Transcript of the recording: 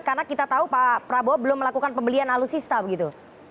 karena kita tahu pak prabowo belum melakukan pembelian alutsista begitu